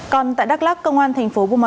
cơ quan tp hcm đang điều tra vụ việc